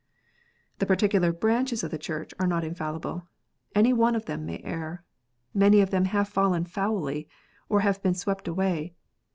The particular branches of the Church are not infallible. Any one of them may err. Many of them have fallen foully, or have been swept away.